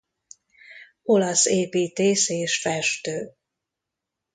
Olasz építész és festő.